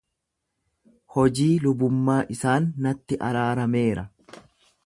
Hojii lubummaa isaan natti araarameera.